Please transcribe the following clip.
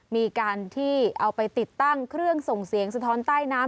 มีการที่เอาไปติดตั้งเครื่องส่งเสียงสะท้อนใต้น้ำ